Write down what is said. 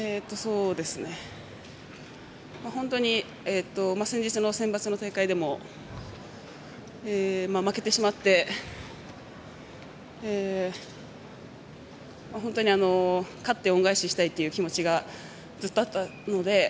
本当に先日の選抜の大会でも負けてしまって勝って恩返ししたいという気持ちがずっとあったので。